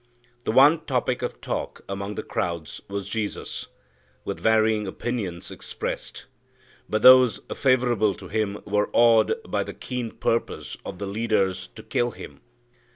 The one topic of talk among the crowds was Jesus, with varying opinions expressed; but those favorable to Him were awed by the keen purpose of the leaders to kill Him.